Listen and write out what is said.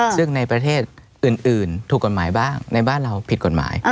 ซึ่งในประเทศอื่นถูกกฎหมายบ้างในบ้านเราผิดกฎหมาย